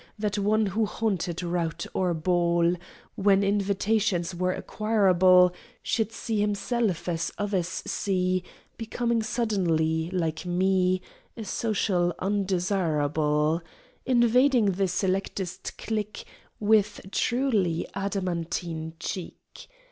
That one who haunted "rout" or ball, When invitations were acquirable, Should see himself as others see, Becoming suddenly, like me, A social "undesirable"; Invading the selectest clique With truly adamantine cheek!